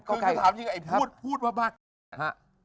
คือถามอย่างนี้ไอ้พูดมาบ้า